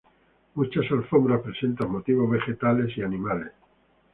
Muchas alfombras presentan motivos vegetales y animales.